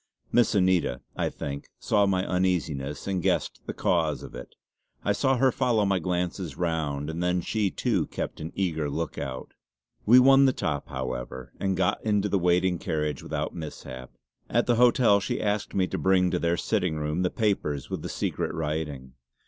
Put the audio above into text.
Miss Anita, I think, saw my uneasiness and guessed the cause of it; I saw her follow my glances round, and then she too kept an eager look out. We won the top, however, and got into the waiting carriage without mishap. At the hotel she asked me to bring to their sitting room the papers with the secret writing.